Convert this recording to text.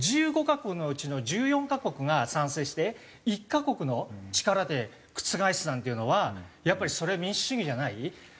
１５カ国のうちの１４カ国が賛成して１カ国の力で覆すなんていうのはやっぱりそれは民主主義じゃない。